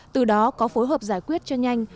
từ đó có phối hợp giải quyết cho nhanh